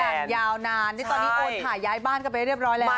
อย่างยาวนานนี่ตอนนี้โอนถ่ายย้ายบ้านกันไปเรียบร้อยแล้ว